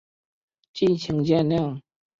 敬请见谅